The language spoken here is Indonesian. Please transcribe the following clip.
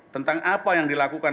tentang apa yang dilakukan